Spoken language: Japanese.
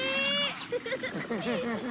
フフフフフ。